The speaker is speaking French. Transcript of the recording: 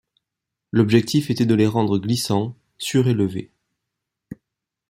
L'objectif était de les rendre glissants, surélevés.